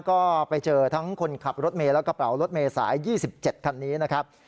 ก็ไปเจอทั้งคนขับรถเมย์และกระเป๋ารถเมษาย๒๗คันนี้นะครับ